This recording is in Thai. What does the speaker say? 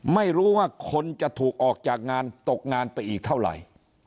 ไม่รู้ว่าคนจะถูกออกจากงานตกงานไปอีกเท่าไหร่